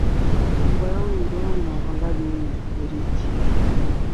Ungojwa wa kitabibu wa ndigana baridi hujipambanua kwa mnyama kushindwa kula